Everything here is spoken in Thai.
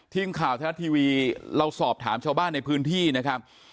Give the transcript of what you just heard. ทีมข่าวไทยรัฐทีวีเราสอบถามชาวบ้านในพื้นที่นะครับ